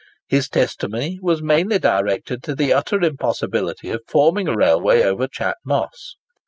His testimony was mainly directed to the utter impossibility of forming a railway over Chat Moss.